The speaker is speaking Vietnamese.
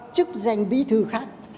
chức danh bí thư khác